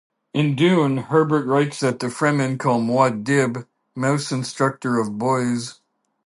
In "Dune", Herbert writes that the Fremen call the Muad'Dib mouse "instructor-of-boys.